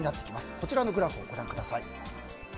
こちらのグラフご覧ください。